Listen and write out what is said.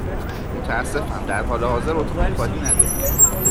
متأسفم، در حال حاضر اتاق خالی نداریم.